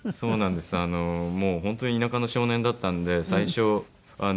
もう本当に田舎の少年だったので最初あの。